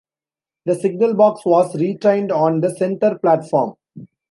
The signalbox was retained on the centre platform.